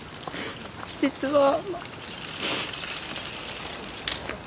実は。